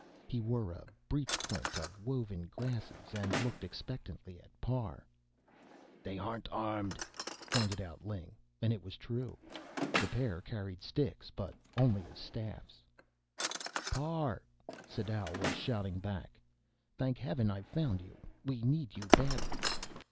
He wore a breech clint of woven grasses, and looked expectantly at Parr. "They aren't armed," pointed out Ling, and it was true. The pair carried sticks, but only as staffs, not clubs. "Parr!" Sadau was shouting back. "Thank heaven I've found you we need you badly."